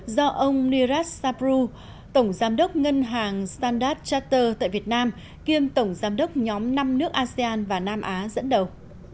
do ông niraj sabru tổng giám đốc ngân hàng standard charter tại việt nam kiêm tổng giám đốc nhóm năm nước asean và nam á dẫn đầu